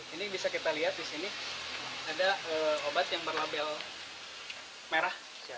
ini bisa kita lihat di sini ada obat yang berlabel merah